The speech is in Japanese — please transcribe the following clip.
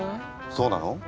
そうなの？